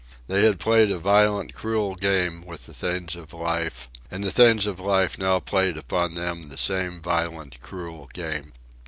They had played a violent, cruel game with the things of life, and the things of life now played upon them the same violent, cruel game.